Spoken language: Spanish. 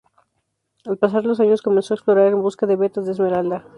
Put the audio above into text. Al pasar los años comenzó a explorar en busca de vetas de esmeralda.